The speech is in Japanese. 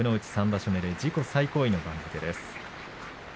３場所目で自己最高位の番付です。